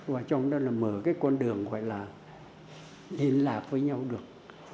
và trong đó mở con đường gọi là liên lạc với nhau được